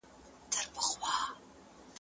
زه کولای سم کالي وچوم،